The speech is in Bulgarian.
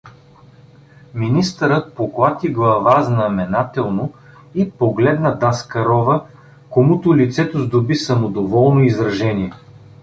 Министърът поклати глава знаменателно и погледна Даскарова, комуто лицето сдоби самодоволно изражение.